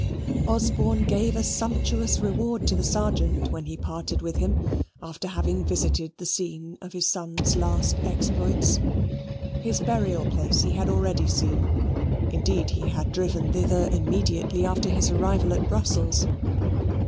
Osborne gave a sumptuous reward to the Sergeant when he parted with him, after having visited the scenes of his son's last exploits. His burial place he had already seen. Indeed, he had driven thither immediately after his arrival at Brussels.